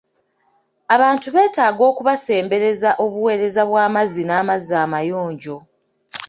Abantu beetaaga okubasembereza obuweereza bw'amazzi n'amazzi amayonjo.